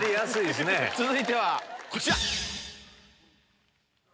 続いてはこちら！